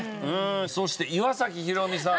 そして岩崎宏美さん。